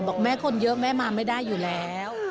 บอกแม่คนเยอะแม่มาไม่ได้อยู่แล้ว